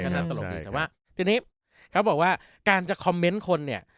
น่าตลกดีแต่ว่าทีนี้เขาบอกว่าการจะคอมเมนต์คนเนี่ย